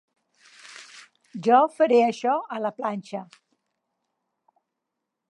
Jo faré això a la planxa.